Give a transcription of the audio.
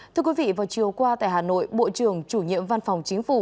thưa quý vị vào chiều qua tại hà nội bộ trưởng chủ nhiệm văn phòng chính phủ